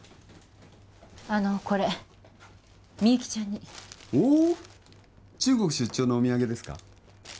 あのこれみゆきちゃんにおおっ中国出張のお土産ですか？